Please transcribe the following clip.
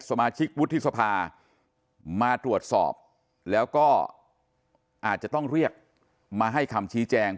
สมาชิกวุฒิสภามาตรวจสอบแล้วก็อาจจะต้องเรียกมาให้คำชี้แจง